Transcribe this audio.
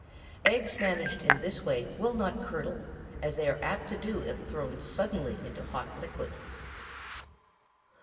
Eggs managed in this way will not curdle, as they are apt to do if thrown suddenly into hot liquid.